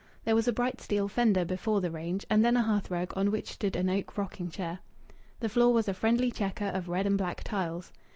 There was a bright steel fender before the range, and then a hearth rug on which stood an oak rocking chair. The floor was a friendly chequer of red and black tiles.